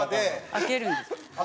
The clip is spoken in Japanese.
開けるんですよ。